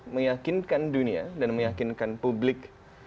meyakinkan dunia dan meyakinkan publik